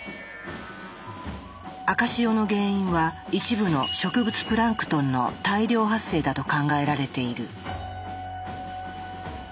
赤潮の原因は一部の植物プランクトンの大量発生だと考えられている。